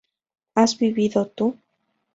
¿has vivido tú?